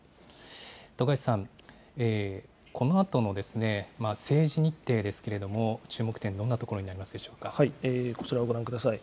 徳橋さん、このあとの政治日程ですけれども、注目点、どんなとここちらをご覧ください。